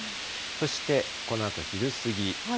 そしてこのあと昼過ぎ。